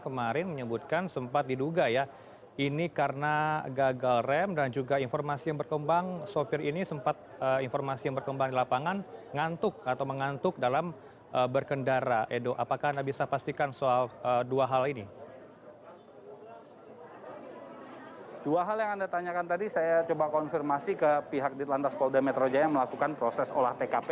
dua hal yang anda tanyakan tadi saya coba konfirmasi ke pihak ditlandas polda metro jaya melakukan proses olah tkp